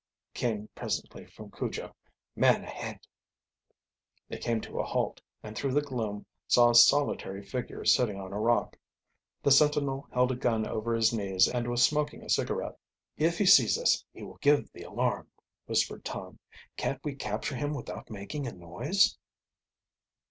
came presently from Cujo. "Man ahead!" They came to a halt, and through the gloom saw a solitary figure sitting on a rock. The sentinel held a gun over his knees and was smoking a cigarette. "If he sees us he will give the alarm," whispered Tom. "Can't we capture him without making a noise?"